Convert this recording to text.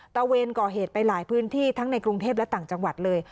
เวนก่อเหตุไปหลายพื้นที่ทั้งในกรุงเทพและต่างจังหวัดเลย